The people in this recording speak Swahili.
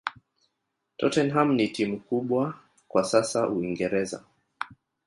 tottenham ni timu kubwa kwa sasa uingereza